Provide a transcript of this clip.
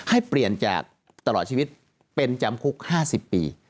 ให้เปลี่ยนจากตลอดชีวิตเป็นจำคุก๕๐ปี